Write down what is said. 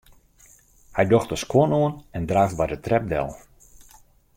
Hy docht de skuon oan en draaft by de trep del.